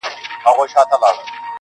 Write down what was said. • خلګ وایې د قاضي صاب مهماني ده,